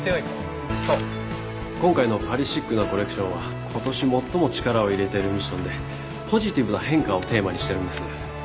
今回のパリシックなコレクションは今年最も力を入れてるミッションで「ポジティブな変化」をテーマにしてるんです。